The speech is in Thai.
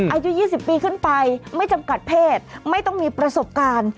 อายุ๒๐ปีขึ้นไปไม่จำกัดเพศไม่ต้องมีประสบการณ์